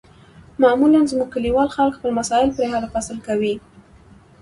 معمولا زموږ کلیوال خلک خپل مسایل پرې حل و فصل کوي.